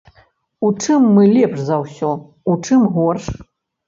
У чым мы лепш за ўсё, у чым горш?